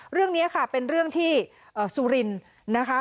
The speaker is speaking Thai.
เรื่องนี้ค่ะเป็นเรื่องที่สุรินทร์นะคะ